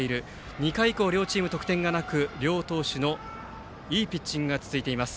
２回以降両チーム得点がなく、両投手のいいピッチングが続いています。